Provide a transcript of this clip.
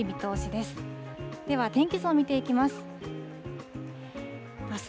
では、天気図を見ていきます。